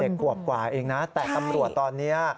ขวบกว่าเองนะแต่ตำรวจตอนนี้